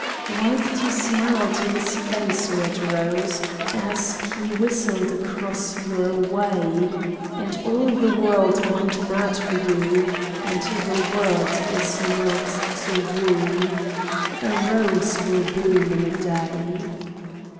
Why did you smile to his face, red Rose, As he whistled across your way ? And all the world went mad for you. All the world it knelt to woo. A rose will bloom in a day.